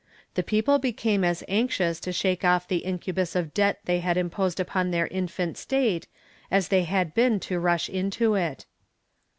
The people became as anxious to shake off the incubus of debt they had imposed upon their infant state as they had been to rush into it.